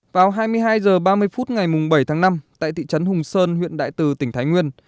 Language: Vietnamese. vào hai mươi hai h ba mươi phút ngày bảy tháng năm tại thị trấn hùng sơn huyện đại từ tỉnh thái nguyên